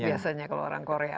biasanya kalau orang korea